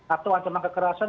atau antara kekerasan